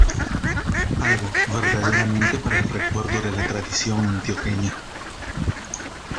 Algo verdaderamente para el recuerdo de la tradición antioqueña.